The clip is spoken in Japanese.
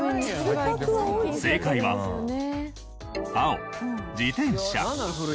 正解は青自転車。